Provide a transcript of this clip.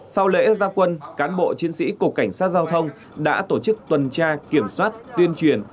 sau lễ gia quân cán bộ chiến sĩ cục cảnh sát giao thông đã tổ chức tuần tra kiểm soát tuyên truyền